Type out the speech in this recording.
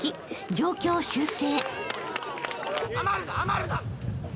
［状況を修正］